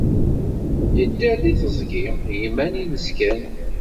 Yedder deg teẓgi i yiman-nnes kan.